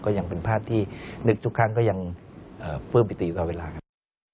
ก็ยังเป็นภาพที่นึกทุกครั้งก็ยังเพิ่มปิติอยู่ต่อเวลาครับ